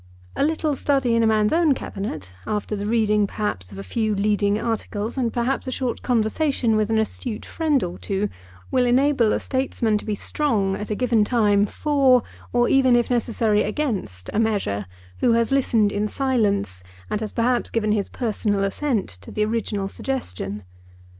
A little study in a man's own cabinet, after the reading perhaps of a few leading articles, and perhaps a short conversation with an astute friend or two, will enable a statesman to be strong at a given time for, or even, if necessary, against a measure, who has listened in silence, and has perhaps given his personal assent, to the original suggestion.